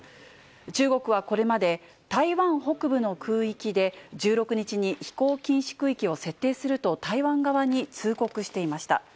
中国はこれまで、台湾北部の空域で１６日に飛行禁止区域を設定すると台湾側に通告していました。